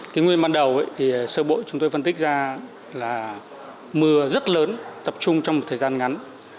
cái nguyên ban đầu thì sơ bội chúng tôi phân tích ra là mưa rất lớn tập trung trong một thời gian ngắn